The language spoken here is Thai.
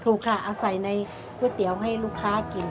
ถูกค่ะอาศัยในก๋วยเตี๋ยวให้ลูกค้ากิน